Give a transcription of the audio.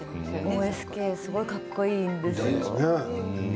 ＯＳＫすごいかっこいいんです。